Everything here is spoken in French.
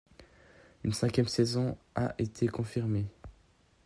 Une cinquième saison a été confirmée.